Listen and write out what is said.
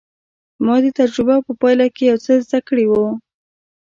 ما د تجربو په پايله کې يو څه زده کړي وو.